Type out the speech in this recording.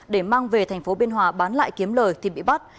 để mang về tp biên hòa bán lại kiếm lời thì bị bắt